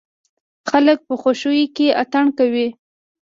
خلک په خوښيو کې اتڼ کوي.